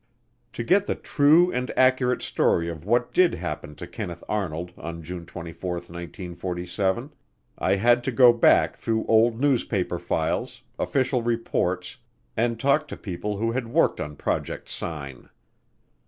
To get the true and accurate story of what did happen to Kenneth Arnold on June 24, 1947, I had to go back through old newspaper files, official reports, and talk to people who had worked on Project Sign.